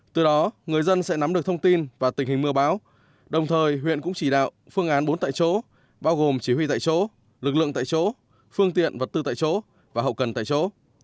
từ đó người dân sẽ nắm được thông tin và tình hình mưa báo đồng thời huyện cũng chỉ đạo phương án bốn tại chỗ bao gồm chỉ huy tại chỗ lực lượng tại chỗ phương tiện vật tư tại chỗ và hậu cần tại chỗ